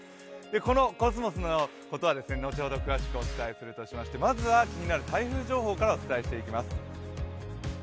このコスモスのことは後ほど詳しくお伝えするとしましてまずは気になる台風情報からお伝えしていきます。